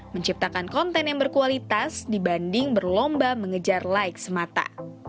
menciptakan konten yang berkualitas dibanding berlomba mengejar like semata